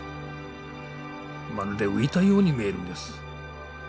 まるで浮いたように見えるんです。